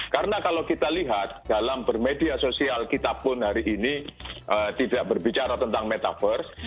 karena kalau kita lihat dalam bermedia sosial kita pun hari ini tidak berbicara tentang metaverse